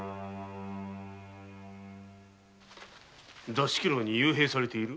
座敷牢に幽閉されている？